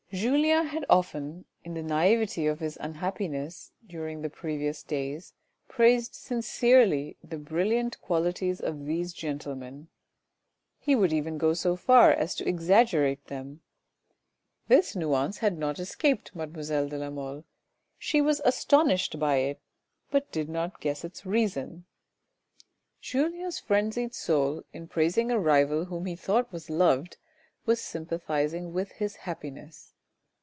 Julien had often in the naivety of his unhappiness, during the previous days praised sinctrely the brilliant qualities of these gentlemen ; he would even go so far as to exaggerate them. This nuance had not escaped mademoiselle de la Mole, she was astonished by it, but did not guess its reason. Julien's frenzied soul, in praising a rival whom he thought was loved, was sympathising with his happiness.